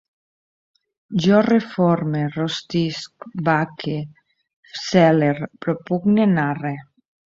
Jo reforme, rostisc, vaque, zele, propugne, narre